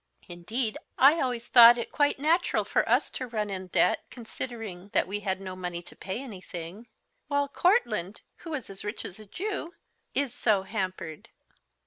Indeed, I always thought it quite natural for us to run in debt, considering that we had no money to pay anything, while Courtland, who is as rich as a Jew, is so hampered.